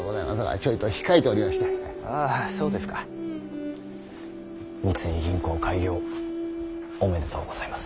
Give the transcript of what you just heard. あぁそうですか。三井銀行開業おめでとうございます。